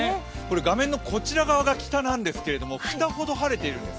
画面のこちら側が北なんですけれども北ほど晴れているんです。